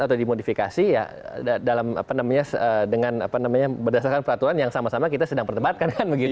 atau dimodifikasi ya dalam apa namanya dengan apa namanya berdasarkan peraturan yang sama sama kita sedang pertempatkan kan begitu